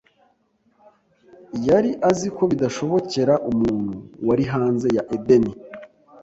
yari azi ko bidashobokera umuntu wari hanze ya Edeni